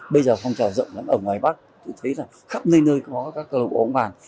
bây giờ phong trào rộng lắm ở ngoài bắc tôi thấy là khắp nơi nơi có các cơ lộ bóng bàn